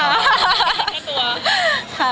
ไม่มีค่าตัว